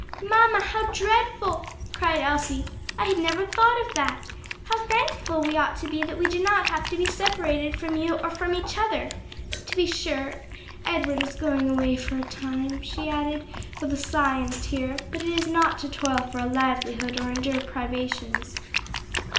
"Mamma, how dreadful!" cried Elsie. "I had never thought of that. How thankful we ought to be that we do not have to be separated from you or from each other. To be sure Edward is going away for a time," she added, with a sigh and a tear, "but it is not to toil for a livelihood or endure privations."